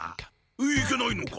いけないのか？